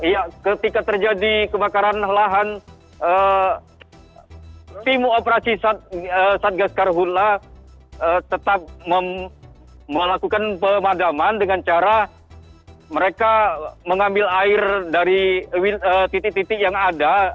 ya ketika terjadi kebakaran lahan tim operasi satgas karhutlah tetap melakukan pemadaman dengan cara mereka mengambil air dari titik titik yang ada